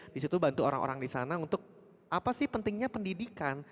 disitu bantu orang orang disana untuk apa sih pentingnya pendidikan